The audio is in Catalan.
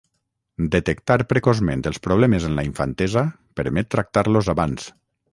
Detectar precoçment els problemes en la infantesa permet tractar-los abans.